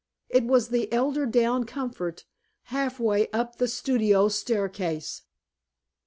It was the eiderdown comfort, half way up the studio staircase!